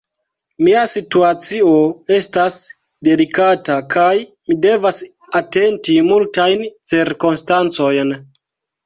Mia situacio estas delikata, kaj mi devas atenti multajn cirkonstancojn.